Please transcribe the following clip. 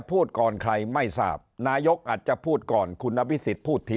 พูดก่อนใครไม่ทราบนายกอาจจะพูดก่อนคุณอภิษฎพูดที